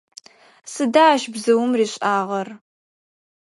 Сыда ащ бзыум ришӏагъэр?